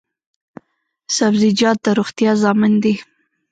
سبزیجات د روغتیا ضامن دي